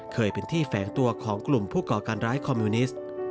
เคยเป็นที่แฝงตัวของกลุ่มผู้ก่อการร้ายคอมมิวนิสต์